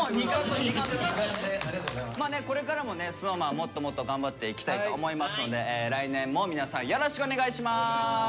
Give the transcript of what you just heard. もっともっと頑張っていきたいと思いますので来年も皆さんよろしくお願いします。